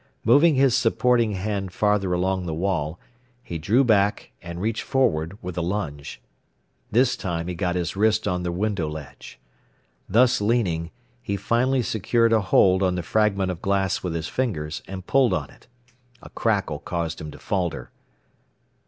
Moving his supporting hand farther along the wall, he drew back, and reached forward with a lunge. This time he got his wrist on the window ledge. Thus leaning, he finally secured a hold on the fragment of glass with his fingers, and pulled on it. A crackle caused him to falter.